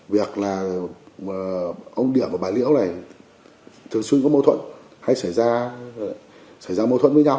việc là ông điểm và bà liễu này thường xuyên có mâu thuẫn hay xảy ra xảy ra mâu thuẫn với nhau